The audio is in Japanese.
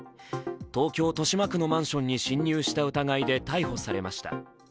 東京・豊島区のマンションに侵入した疑いで逮捕されました。